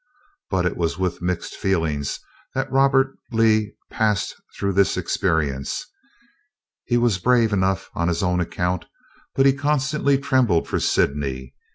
But it was with mixed feelings that Robert Lee passed through this experience. He was brave enough on his own account, but he constantly trembled for Sydney!